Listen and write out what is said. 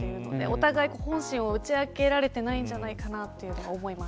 お互い本心を打ち明けられてないんじゃないかというふうに思ってしまいます。